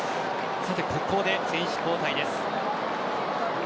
ここで選手交代です。